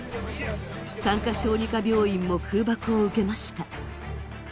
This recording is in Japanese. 産科小児科病院も空爆を受けました。